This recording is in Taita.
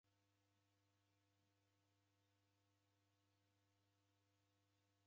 Mwalimu orekaba mwana mpaka ukazimia.